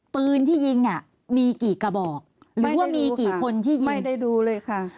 ปืนที่ยิงอ่ะมีกี่กระบอกหรือว่ามีกี่คนที่ยิงไม่ได้ดูเลยค่ะ